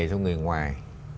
cho người ngoài